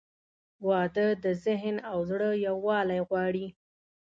• واده د ذهن او زړه یووالی غواړي.